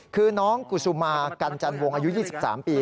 คือน้องกุศุมากัญจันวงอายุ๒๓ปี